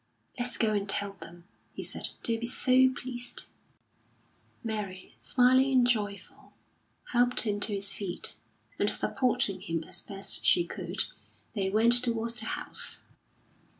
"Let's go and tell them," he said. "They'll be so pleased." Mary, smiling and joyful, helped him to his feet, and supporting him as best she could, they went towards the house.